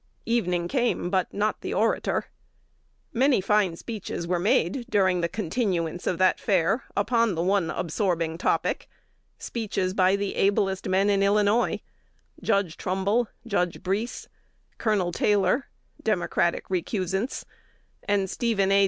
Evening came, but not the orator. Many fine speeches were made during the continuance of that fair upon the one absorbing topic, speeches by the ablest men in Illinois, Judge Trumbull, Judge Breese, Col. Taylor (Democratic recusants), and Stephen A.